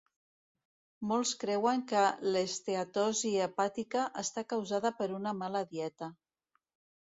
Molts creuen que l'esteatosi hepàtica està causada per una mala dieta.